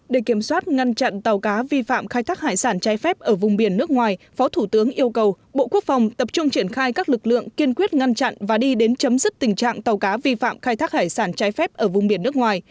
để kiểm soát ngăn chặn tàu cá vi phạm khai thác hải sản trái phép ở vùng biển nước ngoài phó thủ tướng yêu cầu bộ quốc phòng tập trung triển khai các lực lượng kiên quyết ngăn chặn và đi đến chấm dứt tình trạng tàu cá vi phạm khai thác hải sản trái phép ở vùng biển nước ngoài